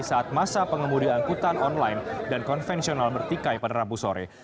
saat masa pengemudi angkutan online dan konvensional bertikai pada rabu sore